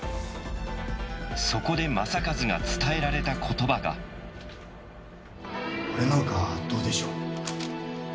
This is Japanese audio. そこで正一が伝えられたことばがこれなんかどうでしょう？